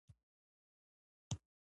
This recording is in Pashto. ګیلاس د ژمي مینه ده.